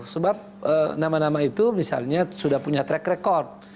sebab nama nama itu misalnya sudah punya track record